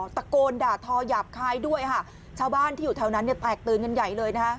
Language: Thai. ตะโกนด่าทอหยาบคายด้วยค่ะชาวบ้านที่อยู่แถวนั้นเนี่ยแตกตื่นกันใหญ่เลยนะคะ